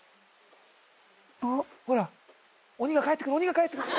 ほら鬼が帰って来る鬼が帰って来る。